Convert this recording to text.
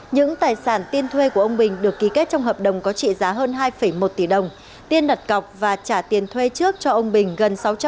những tài sản tiên thuê của ông bình được ký kết trong hợp đồng có trị giá hơn hai một tỷ đồng